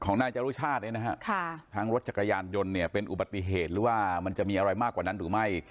นายจรุชาติเนี่ยนะฮะทั้งรถจักรยานยนต์เนี่ยเป็นอุบัติเหตุหรือว่ามันจะมีอะไรมากกว่านั้นหรือไม่